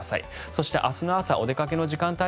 そして、明日の朝お出かけの時間帯